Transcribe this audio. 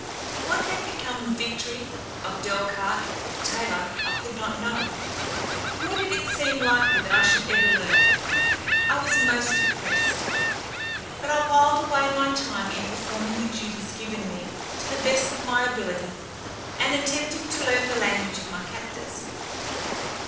What had become of Victory, of Delcarte, of Taylor I could not know; nor did it seem likely that I should ever learn. I was most depressed. But I whiled away my time in performing the duties given me to the best of my ability and attempting to learn the language of my captors.